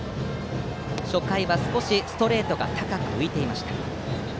初回は少しストレートが高く浮いていました。